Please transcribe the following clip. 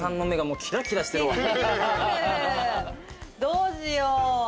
どうしよう。